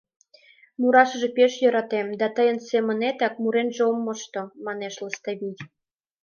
— Мурашыже пеш йӧратем, да тыйын семынетак муренже ом мошто, — манеш Лыставий.